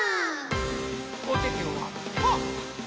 おててはパー！